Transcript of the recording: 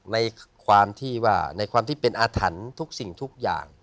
ในความที่ว่าในความที่เป็นอาถรรพ์ทุกสิ่งทุกอย่าง